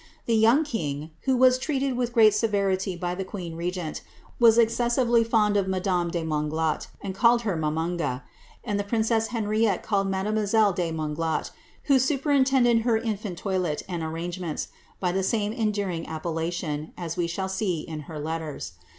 The young king (who was treated with great severity by the queen regent) was ex cessively fond of madame de Monglat^and called her Mamanga; and the princess Henriette called mademoiselle de Monglat, who superintended her infant toilette and arrangemrnts, by the same endearing appellation, as we shall see in her letters.